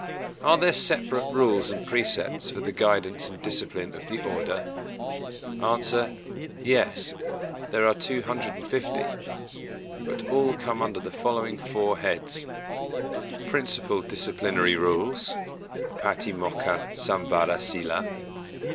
Are there separate Rules and Precepts for the guidance and discipline of the Order? A. Yes: there are 250, but all come under the following four heads: Principal Disciplinary Rules {Pātimokkha Samvara Sīla).